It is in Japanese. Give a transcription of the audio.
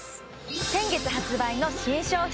先月発売の新商品